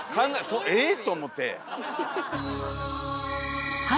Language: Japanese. え？と思って。